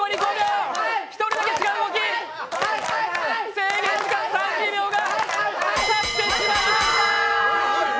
制限時間３０秒がたってしまいました！